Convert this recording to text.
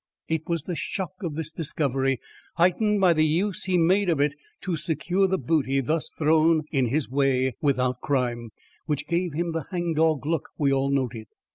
It was the shock of this discovery, heightened by the use he made of it to secure the booty thus thrown in his way without crime, which gave him the hang dog look we all noted.